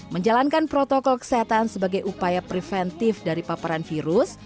menjalankan protokol kesehatan sebagai upaya preventif dari paparan virus